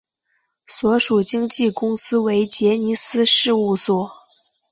所属经纪公司为杰尼斯事务所。